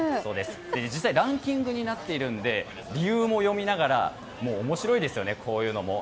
ランキングになっているので理由も読みながら面白いですね、こういうのも。